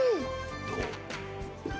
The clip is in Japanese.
どう？